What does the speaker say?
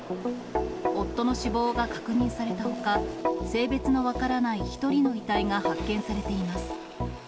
夫の死亡が確認されたほか、性別の分からない１人の遺体が発見されています。